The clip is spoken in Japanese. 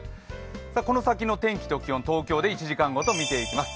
この先の天気と気温、東京で１時間ごと見ていきます。